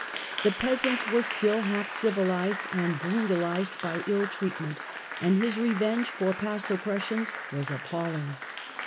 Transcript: The peasant was still half civilised and brutalised by ill treatment, and his revenge for past oppressions was appalling.